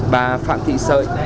bà phạm thị sợi